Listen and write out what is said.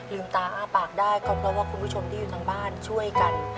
ตาอ้าปากได้ก็เพราะว่าคุณผู้ชมที่อยู่ทางบ้านช่วยกัน